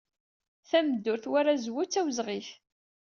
Tameddurt war azwu d tawezɣit.